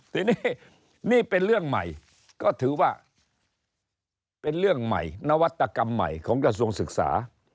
ทีนี้นี่เป็นเรื่องใหม่ก็ถือว่าเป็นเรื่องใหม่นวัตกรรมใหม่ของกระทรวงศึกษา